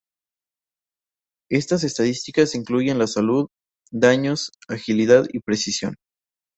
Estas estadísticas incluyen la salud, daños, agilidad y precisión.